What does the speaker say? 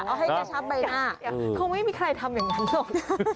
เอาให้กระชับใบหน้าคงไม่มีใครทำอย่างนั้นหรอก